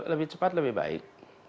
lebih cepat lebih baik